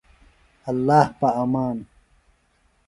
اللہ پہ امان۔